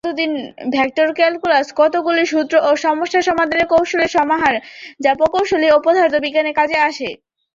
Vector calculus কতগুলি সূত্র ও সমস্যা সমাধানের কৌশলের সমাহার যা প্রকৌশল ও পদার্থবিজ্ঞানে কাজে আসে।